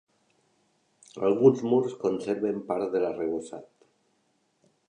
Alguns murs conserven part de l'arrebossat.